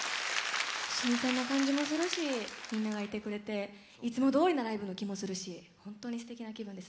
新鮮な感じもするしみんながいてくれていつもどおりなライブの気もするし本当にすてきな気分です。